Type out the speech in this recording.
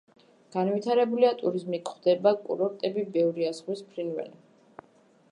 განვითარებულია ტურიზმი, გვხვდება კურორტები, ბევრია ზღვის ფრინველი.